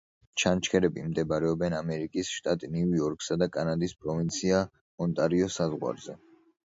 ჩანჩქერები მდებარეობენ ამერიკის შტატ ნიუ-იორკსა და კანადის პროვინცია ონტარიოს საზღვარზე.